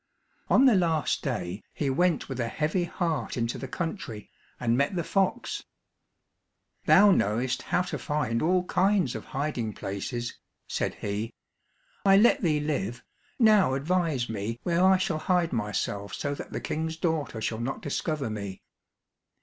On the last day, he went with a heavy heart into the country, and met the fox. "Thou knowest how to find all kinds of hiding places," said he; "I let thee live, now advise me where I shall hide myself so that the King's daughter shall not discover me."